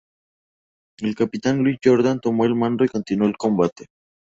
El capitán Luis Jordán tomó el mando y continuó el combate.